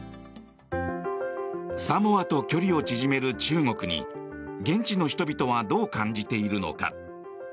サモアと距離を縮める中国に現地の人々はどう感じているのか。